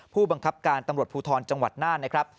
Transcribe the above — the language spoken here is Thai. ผู้บังคับการตำรวจภูทรจังหวัดน่านนะครับ